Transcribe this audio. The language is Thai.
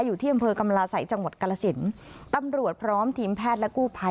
อยู่ที่อำเภอกรรมลาศัยจังหวัดกรสินตำรวจพร้อมทีมแพทย์และกู้ภัย